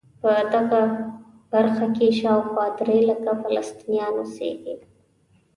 په دغه برخه کې شاوخوا درې لکه فلسطینیان اوسېږي.